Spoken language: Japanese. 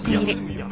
いや。